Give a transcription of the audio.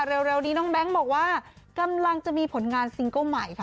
เร็วนี้น้องแบงค์บอกว่ากำลังจะมีผลงานซิงเกิ้ลใหม่ค่ะ